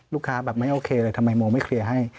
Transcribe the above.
แบบไม่โอเคเลยทำไมโมไม่เคลียร์ให้